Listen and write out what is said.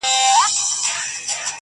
د شپې له تورې پنجابيه سره دال وهي,